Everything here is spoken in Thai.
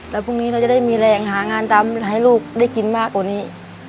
แล้วพรุ่งนี้เราจะได้มีแรงหางานตามให้ลูกได้กินมากกว่านี้